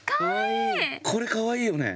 これかわいいよね。